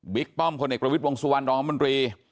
บิ๊กป้อมคนเอกประวิษฐ์วงศ์สุวรรณรัฐมนตรี